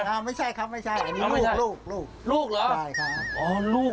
นั่นไม่ใช่ครับอันนี้ลูก